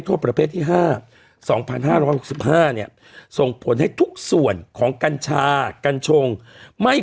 โทษประเภทที่๕๒๕๖๕เนี่ยส่งผลให้ทุกส่วนของกัญชากัญชงไม่